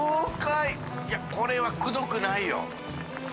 いやこれはくどくないよ。